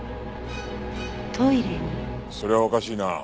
それはおかしいな。